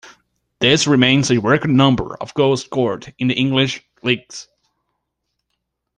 This remains a record number of goals scored in the English leagues.